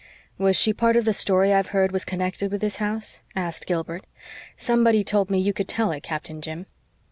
"Was she a part of the story I've heard was connected with this house?" asked Gilbert. "Somebody told me you could tell it, Captain Jim."